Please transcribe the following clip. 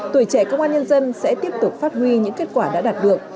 tuổi trẻ công an nhân dân sẽ tiếp tục phát huy những kết quả đã đạt được